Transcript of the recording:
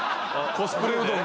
コスプレうどん。